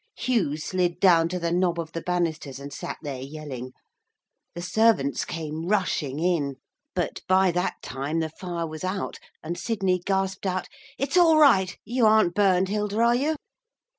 Hugh slid down to the knob of the banisters and sat there yelling. The servants came rushing in. But by that time the fire was out. And Sidney gasped out, 'It's all right. You aren't burned, Hilda, are you?'